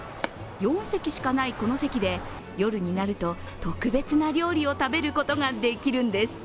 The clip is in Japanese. ４席しかないこの席で、夜になると特別な料理を食べることができるんです。